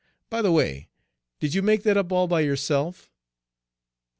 By the way, did you make that up all by yourself?"